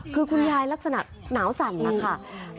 คือคุณยายลักษณะหนาวสั่นนะคะ